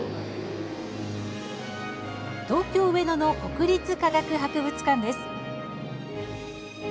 東京・上野の国立科学博物館です。